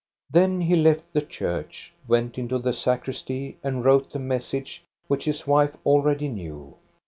Then he left the church, went into the sacristy, and wrote the message which his wife already knew.